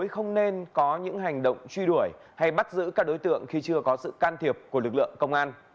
không nên có những hành động truy đuổi hay bắt giữ các đối tượng khi chưa có sự can thiệp của lực lượng công an